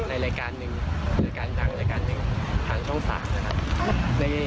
ในรายการหนึ่งทางช่องฝากนะครับ